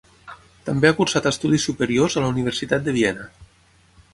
També ha cursat estudis superiors a la Universitat de Viena.